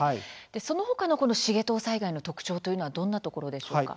そのほかの繁藤災害の特徴というのはどんなところでしょうか。